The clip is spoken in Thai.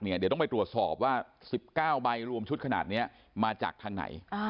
เดี๋ยวต้องไปตรวจสอบว่า๑๙ใบรวมชุดขนาดนี้มาจากทางไหน